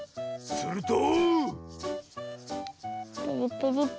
すると。